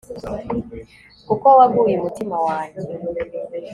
kuko waguye umutima wanjye